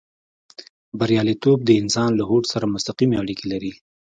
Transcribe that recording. برياليتوب د انسان له هوډ سره مستقيمې اړيکې لري.